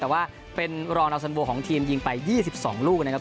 แต่ว่าเป็นรองดาวสันโบของทีมยิงไป๒๒ลูกนะครับ